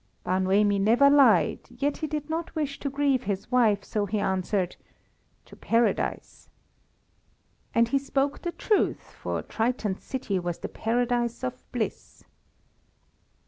Bar Noemi never lied, yet he did not wish to grieve his wife, so he answered "To Paradise!" And he spoke the truth, for Triton's city was the Paradise of Bliss.